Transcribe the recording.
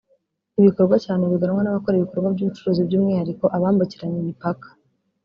ibikorwa cyane biganwa n’abakora ibikorwa by’ubucuruzi by’umwihariko abambukiranya imipaka